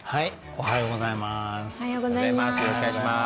おはようございます。